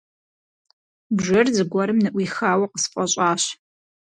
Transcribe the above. Бжэр зыгуэрым ныӀуихауэ къысфӀэщӀащ.